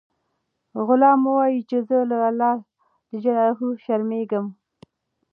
غلام وایي چې زه له الله شرمیږم.